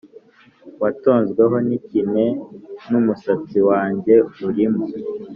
watonzweho n ikime N umusatsi wanjye urimo